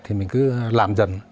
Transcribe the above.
thì mình cứ làm dần